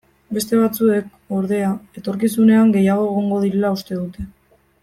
Beste batzuek, ordea, etorkizunean gehiago egongo direla uste dute.